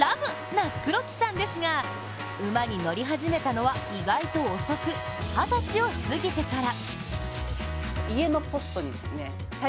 な黒木さんですが馬に乗り始めたのは意外と遅く二十歳を過ぎてから。